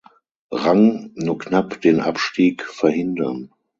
Rang nur knapp den Abstieg verhindern.